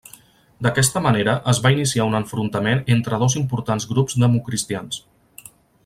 D'aquesta manera es va iniciar un enfrontament entre dos importants grups democristians.